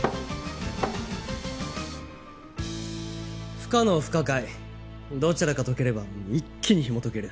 不可能不可解どちらか解ければ一気にひもとける。